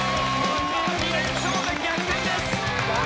２連勝で逆転です。